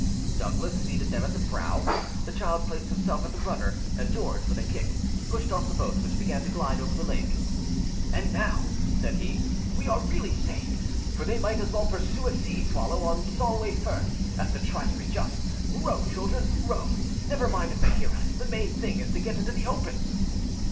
Douglas seated them at the prow, the child placed himself at the rudder, and George, with a kick, pushed off the boat, which began to glide over the lake. "And now," said he, "we are really saved; for they might as well pursue a sea swallow on Solway Firth as try to reach us. Row, children, row; never mind if they hear us: the main thing is to get into the open."